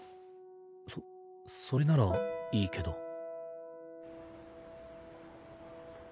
そそれならいいけど。